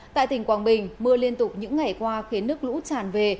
tại tỉnh quảng bình mưa liên tục những ngày qua khiến nước lũ tràn về